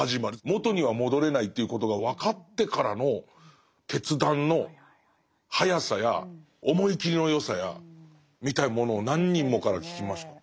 元には戻れないということが分かってからの決断の早さや思い切りの良さやみたいなものを何人もから聞きました。